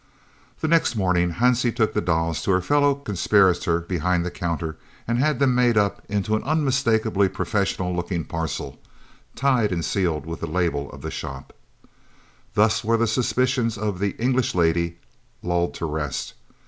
The next morning Hansie took the dolls to her fellow conspirator behind the counter and had them made up into an unmistakably professional looking parcel, tied and sealed with the label of the shop. Thus were the suspicions of "the English lady" lulled to rest.